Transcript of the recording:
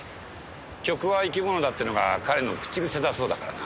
曲は生き物だっていうのが彼の口癖だそうだからな。